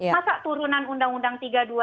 masa turunan undang undang dua ribu dua puluh dua